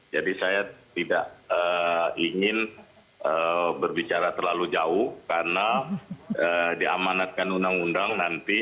jadi saya tidak ingin berbicara terlalu jauh karena diamanatkan undang undang nanti